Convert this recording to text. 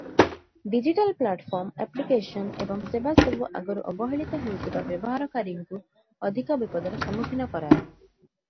Digital platform, application ଏବଂ ସେବାସବୁ ଆଗରୁ ଅବହେଳିତ ହେଉଥିବା ବ୍ୟବହାରକାରୀଙ୍କୁ ଅଧିକ ବିପଦର ସମ୍ମୁଖୀନ କରାଏ ।